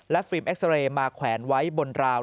ฟิล์มเอ็กซาเรย์มาแขวนไว้บนราว